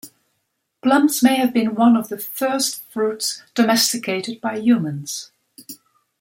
Plums may have been one of the first fruits domesticated by humans.